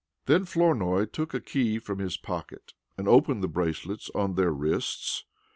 Then Flournoy took a key from his pocket and opened the bracelets on their wrists.